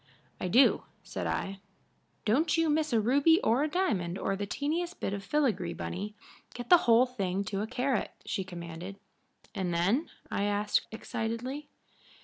"I do," said I. "Don't you miss a ruby or a diamond or the teeniest bit of filigree, Bunny. Get the whole thing to a carat," she commanded. "And then?" I asked, excitedly.